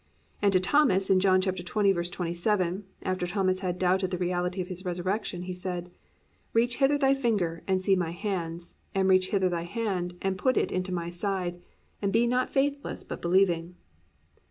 And to Thomas in John 20:27, after Thomas had doubted the reality of His resurrection, He said, +"Reach hither thy finger, and see my hands; and reach hither thy hand, and put it into my side: and be not faithless but believing."